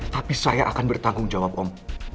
tapi saya akan bertanggung jawab om